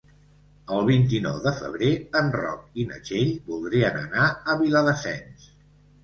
El vint-i-nou de febrer en Roc i na Txell voldrien anar a Viladasens.